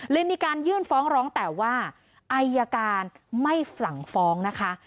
มีการยื่นฟ้องร้องแต่ว่าอายการไม่สั่งฟ้องนะคะ